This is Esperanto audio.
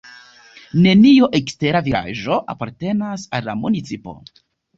Neniu ekstera vilaĝo apartenas al la municipo.